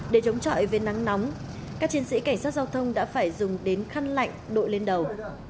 để chống chọi với nắng nóng các chiến sĩ cảnh sát giao thông đã phải dùng đến khăn lạnh đội lên đầu